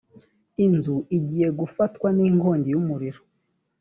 inzu igiye gufatwa n’inkongi y’umuriro